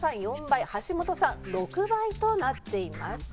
４倍橋本さん６倍となっています。